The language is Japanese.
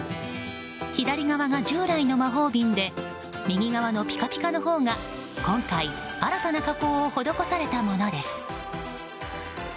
左側が従来の魔法瓶で右側のピカピカのほうが今回、新たな加工を施されたものです。